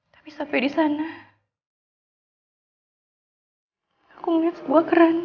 tapi sampai disana aku melihat sebuah keranda